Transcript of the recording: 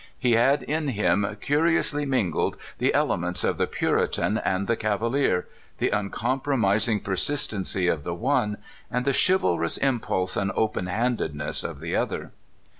He had in him curiously mingled the elements of the Puritan and the Cavalier — the uncompromising OLD MAN LOWRY. 253 persistency of the one, and the chivah ous impulse and open handedness of the other.